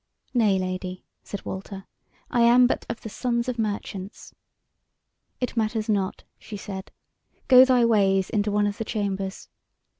"Nay, Lady," said Walter, "I am but of the sons of the merchants." "It matters not," she said; "go thy ways into one of the chambers."